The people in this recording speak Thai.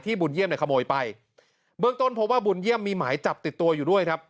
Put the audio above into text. บุญเยี่ยมในขโมยไปเบื้องต้นพบว่าบุญเยี่ยมมีหมายจับติดตัวอยู่ด้วยครับ